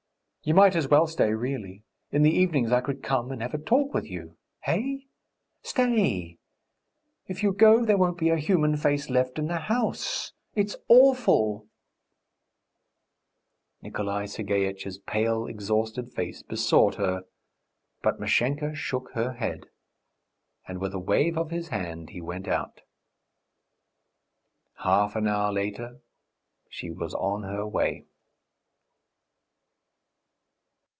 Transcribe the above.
"You might as well stay, really. In the evenings I could come and have a talk with you. Eh? Stay! If you go, there won't be a human face left in the house. It's awful!" Nikolay Sergeitch's pale, exhausted face besought her, but Mashenka shook her head, and with a wave of his hand he went out. Half an hour later she was on her way.